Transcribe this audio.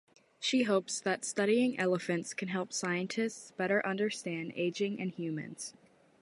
She hopes that studying elephants can help scientists better understand ageing in humans.